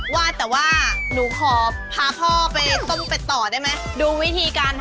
ว่าแต่ว่าหนูขอพาพ่อไปต้มเป็ดต่อได้ไหมดูวิธีการทำ